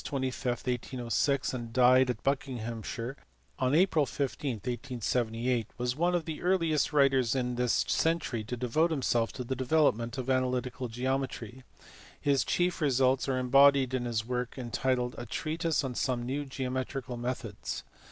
25, 1806 and died in Buckinghamshire on April 15, 1878 was one of the earliest writers in this century to devote himself to the development of analytical geometry ; his chief results are embodied in his work entitled A Treatise on some new Geo metrical Methods.